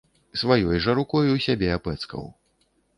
Сваёй жа рукою сябе апэцкаў.